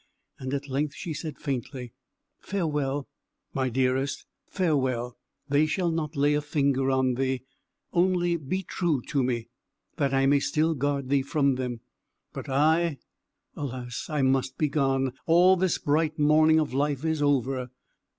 And at length she said faintly, "Farewell, my dearest; farewell! They shall not lay a finger on thee; only be true to me, that I may still guard thee from them. But I, alas! I must be gone; all this bright morning of life is over.